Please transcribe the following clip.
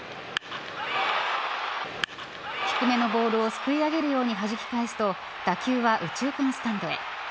低めのボールをすくい上げるようにはじき返すと打球は右中間スタンドへ。